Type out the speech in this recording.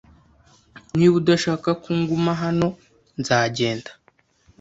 Niba udashaka ko nguma hano, nzagenda.